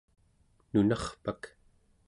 nunarpak